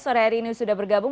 sore hari ini sudah bergabung